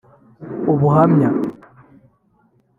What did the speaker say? Ubuhamya